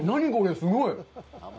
すごい！